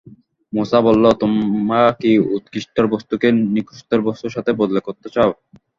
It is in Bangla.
মূসা বলল, তোমরা কি উৎকৃষ্টতর বস্তুকে নিকৃষ্টতর বস্তুর সাথে বদল করতে চাও?